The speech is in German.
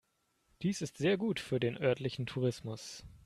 Dies ist sehr gut für den örtlichen Tourismus.